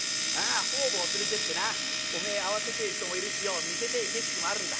方々連れてってなおめえ会わせてえ人もいるしよ見せてえ景色もあるんだ。